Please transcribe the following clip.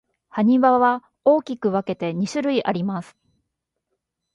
埴輪は大きく分けて二種類あります。